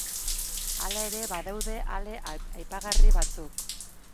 Hala ere badaude ale aipagarri batzuk.